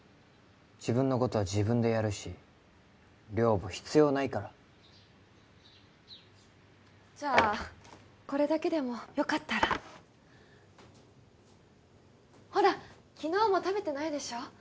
自分のことは自分でやるし寮母必要ないからじゃあこれだけでもよかったらほら昨日も食べてないでしょ